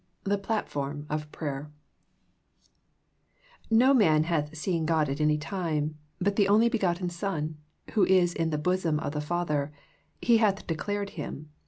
THE PLATFORM OF PRAYER " No man hath seen God at any time; but the only begotten Son^ which is in the bosom of the Father ^ He hath declared Him.